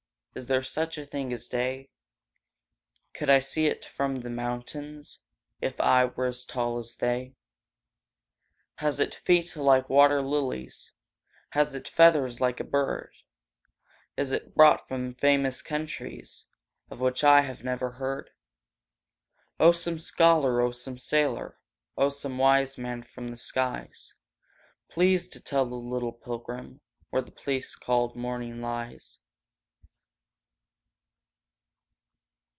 Is there such a thing as day? Could I see it from the mountains If I were as tall as they? Has it feet like water lilies? Has it feathers like a bird? Is it brought from famous countries Of which I have never heard? Oh, some scholar! Oh, some sailor! Oh, some wise man from the skies! Please to tell a little pilgrim Where the place called morning lies!